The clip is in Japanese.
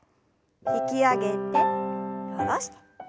引き上げて下ろして。